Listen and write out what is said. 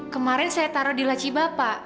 kemarin saya taruh di laciba pak